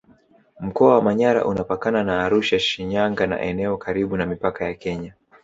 Mkoa wa Manyara unapakana na Arusha Shinyanga na eneo karibu na mipaka ya Kenya